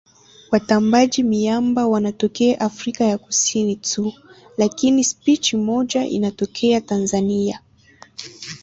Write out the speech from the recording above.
Watambaaji-miamba wanatokea Afrika ya Kusini tu lakini spishi moja inatokea Tanzania.